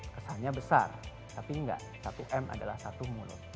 kesannya besar tapi enggak satu m adalah satu mulut